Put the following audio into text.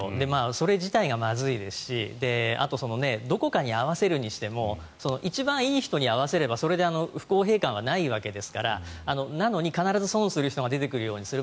それ自体がまずいですしあと、どこかに合わせるにしても一番いい人に合わせればそれで不公平感はないわけですからなのに必ず損する人が出てくるようにする。